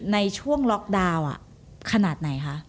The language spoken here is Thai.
ในช่วงล็อกดาวน์ขนาดไหนคะ